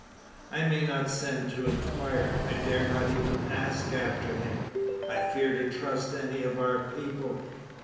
"I may not send to inquire. I dare not even ask after him. I fear to trust any of our people.